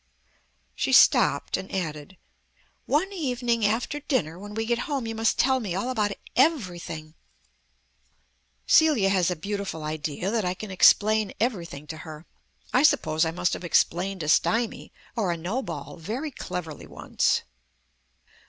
She stopped and added, "One evening after dinner, when we get home, you must tell me all about everything" Celia has a beautiful idea that I can explain everything to her. I suppose I must have explained a stymie or a no ball very cleverly once.